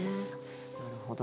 なるほど。